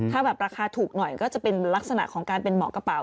ถ้าแบบราคาถูกหน่อยก็จะเป็นลักษณะของการเป็นเหมาะกระเป๋า